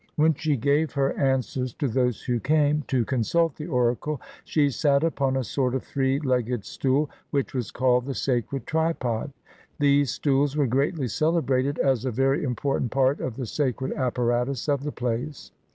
When she gave her answers to those who came to consult the oracle, she sat upon a sort of three legged stool, which was called the sacred tripod. These stools were greatly celebrated as a very important part of the sacred apparatus of the place.